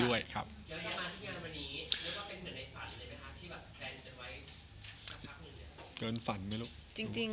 แล้วท่านมาที่งานวันนี้เรียกว่าเป็นเหนือในฝันเลยไหมคะที่แบบแพลนเสร็จไว้นักพักหนึ่ง